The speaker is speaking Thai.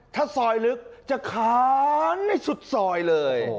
ถ้าซอยลึกจะค้านไม่สุดซอยเลย